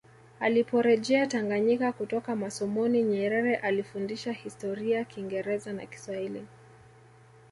Aliporejea Tanganyika kutoka masomoni Nyerere alifundisha Historia Kingereza na Kiswahili